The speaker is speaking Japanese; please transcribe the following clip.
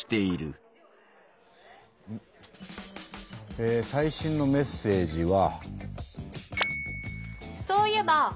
え最新のメッセージは。